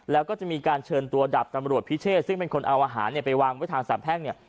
แล้วก็จะมีการเชิญตัวดับตำรวจพิเชษซึ่งเป็นคนเอาอาหารไปวางไว้ทางสามแพ่งเนี่ย